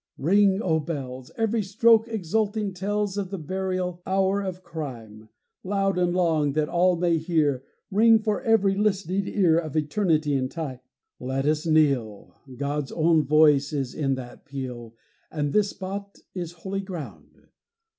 Ring, O bells! Every stroke exulting tells Of the burial hour of crime. Loud and long, that all may hear, Ring for every listening ear Of Eternity and Time! Let us kneel: God's own voice is in that peal, And this spot is holy ground.